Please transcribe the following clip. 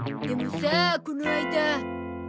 でもさあこの間。